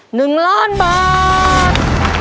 หนึ่งล้านบาท